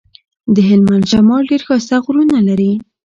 د هلمند شمال ډير ښايسته غرونه لري.